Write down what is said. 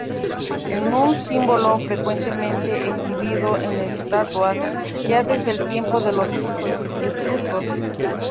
Es un símbolo frecuentemente exhibido en estatuas, ya desde el tiempo de los etruscos.